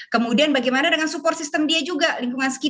kemudian bagaimana dengan support system dia juga lingkungan sekitar